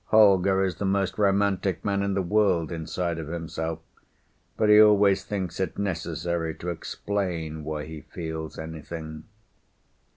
Holger is the most romantic man in the world inside of himself, but he always thinks it necessary to explain why he feels anything.